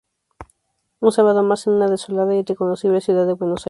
Un sábado más en una desolada e irreconocible ciudad de Buenos Aires.